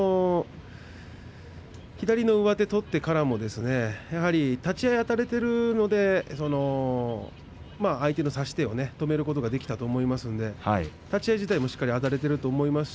左の上手を取ってからも立ち合い、あたれているので相手の差し手を止めることができたと思いますので立ち合い自体もしっかりあたれていると思います。